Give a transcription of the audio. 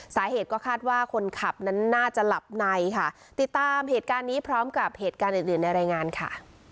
สาเหตุก็คาดว่าคนขับนั้นน่าจะหลับในค่ะติดตามเหตุการณ์นี้พร้อมกับเหตุการณ์อื่นอื่นในรายงานค่ะ